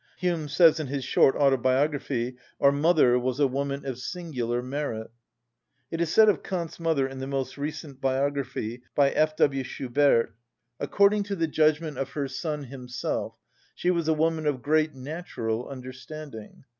Hume says in his short autobiography: "Our mother was a woman of singular merit." It is said of Kant's mother in the most recent biography by F. W. Schubert: "According to the judgment of her son himself, she was a woman of great natural understanding.